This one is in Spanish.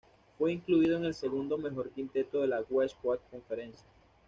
Fue incluido en el segundo mejor quinteto de la West Coast Conference.